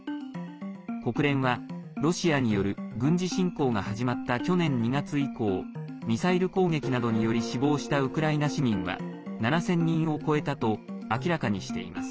国連は、ロシアによる軍事侵攻が始まった去年２月以降ミサイル攻撃などにより死亡したウクライナ市民は７０００人を超えたと明らかにしています。